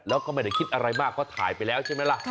แล้วก็ไม่ได้คิดอะไรมากเพราะถ่ายไปแล้วใช่ไหมล่ะ